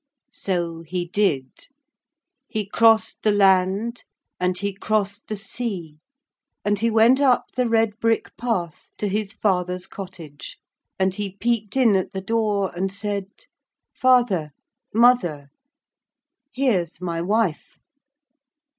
So he did. He crossed the land and he crossed the sea, and he went up the red brick path to his father's cottage, and he peeped in at the door and said: 'Father, mother, here's my wife.'